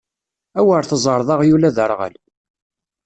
Awer teẓreḍ aɣyul aderɣal!